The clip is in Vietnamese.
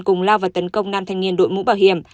cùng lao và tấn công nam thanh niên đội mũ bảo hiểm